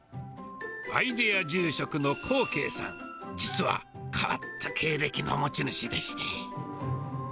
アイデア住職の高敬さん、実は、変わった経歴の持ち主でして。